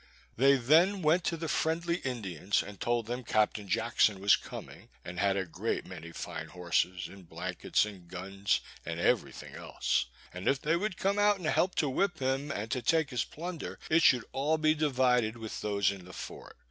They then went to the friendly Indians, and told them Captain Jackson was coming, and had a great many fine horses, and blankets, and guns, and every thing else; and if they would come out and help to whip him, and to take his plunder, it should all be divided with those in the fort.